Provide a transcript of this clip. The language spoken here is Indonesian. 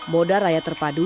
moda raya terpadu